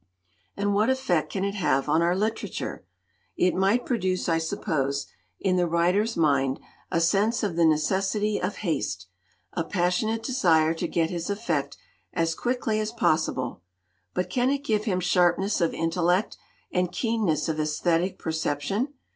"And what effect can it have on our literature? It might produce, I suppose, in the writer's mind, a sense of the necessity of haste, a passionate desire to get his effect as quickly as possible. But can it give him sharpness of intellect and keenness of aesthetic perception!